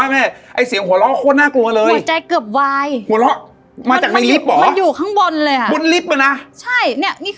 ไม่ใช่